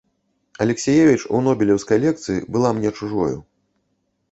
Алексіевіч у нобелеўскай лекцыі была мне чужою.